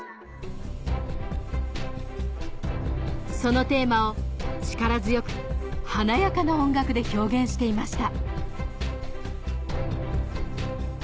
そのテーマを力強く華やかな音楽で表現していました